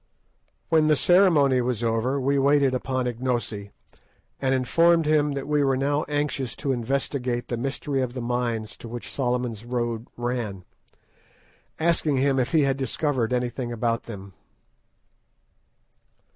When the ceremony was over we waited upon Ignosi, and informed him that we were now anxious to investigate the mystery of the mines to which Solomon's Road ran, asking him if he had discovered anything about them.